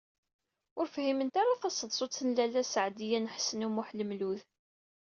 Ur fhiment ara taseḍsut n Lalla Seɛdiya n Ḥsen u Muḥ Lmlud.